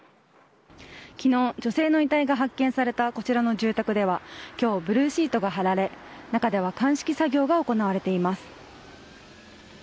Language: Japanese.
昨日、女性の遺体が発見されたこちらの住宅では今日、ブルーシートが張られ中では鑑識作業が行われています。